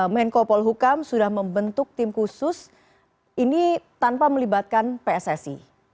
menko polhukam sudah membentuk tim khusus ini tanpa melibatkan pssi